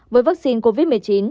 với vaccine covid một mươi chín